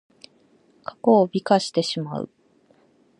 過去を美化してしまう。